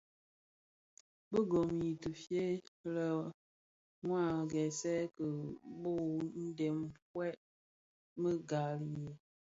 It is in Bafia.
Bi gom yi ti feëfëg lè mua aghèsèè ki boo ndem fyeň mü gbali i.